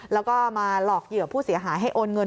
แล้วก็มาหลอกเหยื่อผู้เสียหายให้โอนเงิน